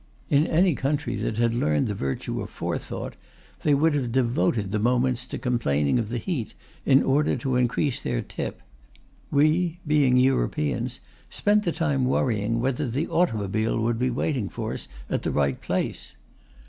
In any country that had learned the virtue of forethought, they would have devoted the moments to complaining of the heat, in order to increase their tip. We, being Europeans, spent the time worrying whether the automobile would be waiting for us at the right place.